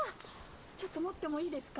ちょっと持ってもいいですか？